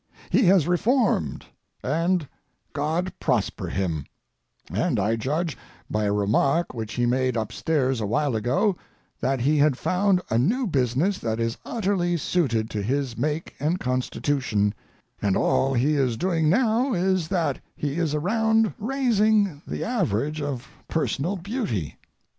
He has reformed, and God prosper him; and I judge, by a remark which he made up stairs awhile ago, that he had found a new business that is utterly suited to his make and constitution, and all he is doing now is that he is around raising the average of personal beauty.